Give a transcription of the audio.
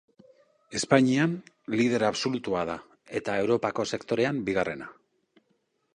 Espainian lider absolutua da eta Europako sektorean bigarrena.